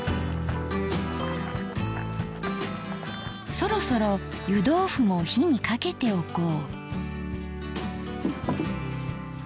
そろそろ湯どうふも火にかけておこう。